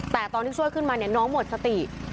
แต่ตอนที่ช่วยขึ้นมาเนี่ยน้องหมดสติ